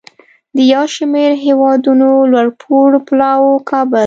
د یو شمیر هیوادونو لوړپوړو پلاوو کابل